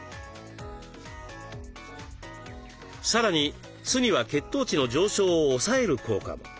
さらに酢には血糖値の上昇を抑える効果も。